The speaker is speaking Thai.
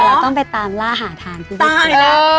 แต่เราต้องไปตามล่าหาทานที่วิทยาลัย